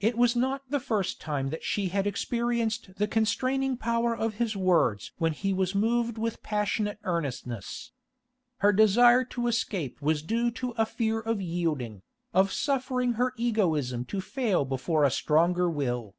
It was not the first time that she had experienced the constraining power of his words when he was moved with passionate earnestness. Her desire to escape was due to a fear of yielding, of suffering her egotism to fail before a stronger will.